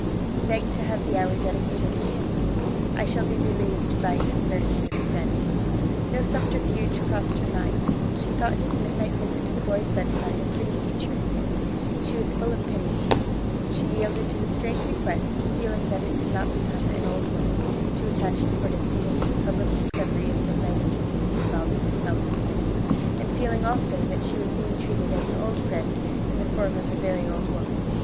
He begged to have the hour dedicated to him. "I shall be relieved by conversing with a friend." No subterfuge crossed her mind; she thought his midnight visit to the boy's bedside a pretty feature in him; she was full of pity, too; she yielded to the strange request, feeling that it did not become "an old woman" to attach importance even to the public discovery of midnight interviews involving herself as one, and feeling also that she was being treated as an old friend in the form of a very old woman.